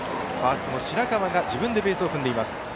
ファーストの白川が自分でベースを踏んでいます。